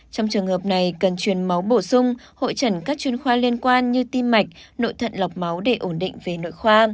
trong trường hợp này cần truyền máu bổ sung hội trần các chuyên khoa liên quan như tim mạch nội thận lọc máu để ổn định về nội khoa